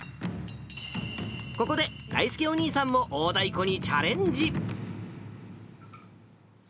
ここで、だいすけお兄さんも大太鼓にチャレンジ。